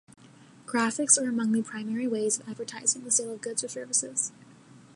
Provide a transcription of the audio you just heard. Graphics are among the primary ways of advertising the sale of goods or services.